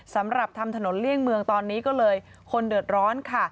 สำหรับทำถนนเลี่ยงเมืองตอนนี้ก็เลยคนเดือดร้อนค่ะ